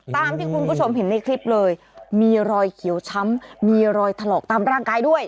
ตามที่คุณผู้ชมเห็นในคลิปเลยมีรอยเขียวช้ำมีรอยถลอกตามร่างกายด้วย